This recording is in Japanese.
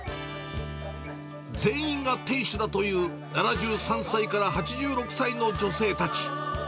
全員が店主だという、７３歳から８６歳の女性たち。